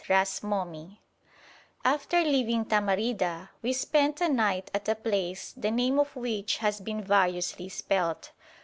_ RAS MOMI After leaving Tamarida we spent a night at a place the name of which has been variously spelt.